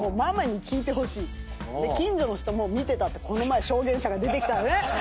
で近所の人も見てたってこの前証言者が出てきたんでね。